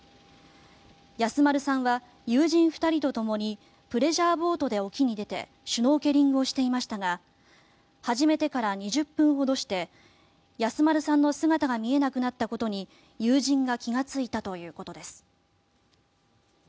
安丸さんは友人２人とともにプレジャーボートで沖に出てシュノーケリングをしていましたが始めてから２０分ほどして安丸さんの姿が見えなくなったことに友人が気がついたということです。